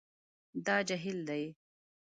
دا جهیل دی